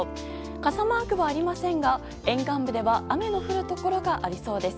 傘マークはありませんが沿岸部では雨の降るところがありそうです。